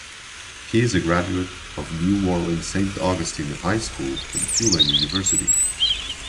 He is a graduate of New Orleans' Saint Augustine High School and Tulane University.